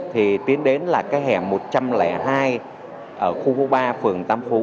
thì tiến đến là cái hẻm một trăm linh hai ở khu ba phường tam phú